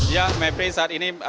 ya mepri saat ini